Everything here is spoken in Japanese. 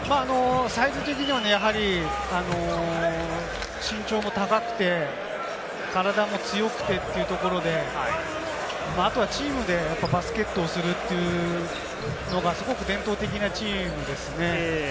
サイズ的には身長も高くて、体も強くてというところで、あとはチームでバスケットをするというのがすごく伝統的なチームですね。